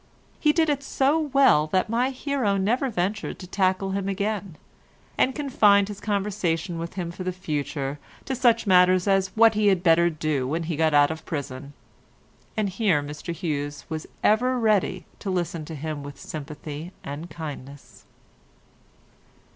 He did it so well that my hero never ventured to tackle him again, and confined his conversation with him for the future to such matters as what he had better do when he got out of prison; and here Mr Hughes was ever ready to listen to him with sympathy and kindness.